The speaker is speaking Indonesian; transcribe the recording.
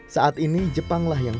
daari sini kemaren doang